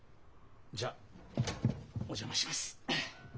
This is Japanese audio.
じゃあお邪魔します。